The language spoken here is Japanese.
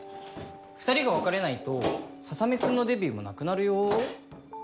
２人が別れないとささめ君のデビューもなくなるよ。